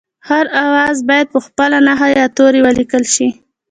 هر آواز باید په خپله نښه یا توري ولیکل شي